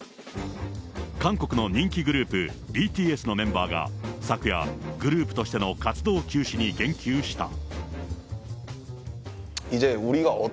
韓国の人気グループ、ＢＴＳのメンバーが昨夜、グループとしての活動休止に言及した。